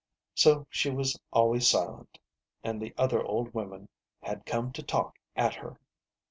So she was always silent, and the other old women had come to talk at her.